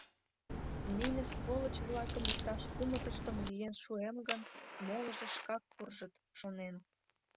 «Нине сволочь-влакым иктаж кумытыштым лӱен шуэм гын, молыжо шкак куржыт», — шонен.